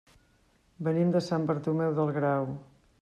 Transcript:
Venim de Sant Bartomeu del Grau.